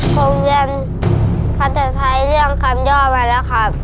โครงเรียนภาษาไทยเรียนคำย่อมาแล้วครับ